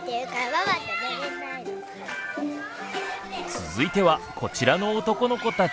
続いてはこちらの男の子たち。